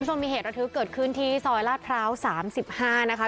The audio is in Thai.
ผู้ชมมีเหตุระทึกเกิดขึ้นที่ซอยลาดพร้าวสามสิบห้านะคะ